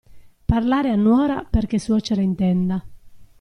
Parlare a nuora, perché suocera intenda.